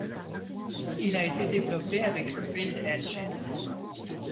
Il a été développé avec le Build engine.